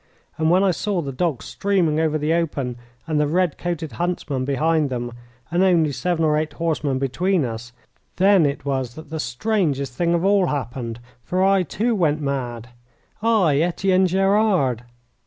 And when I saw the dogs streaming over the open, and the red coated huntsman behind them, and only seven or eight horsemen between us, then it was that the strangest thing of all happened, for I, too, went mad I, Etienne Gerard!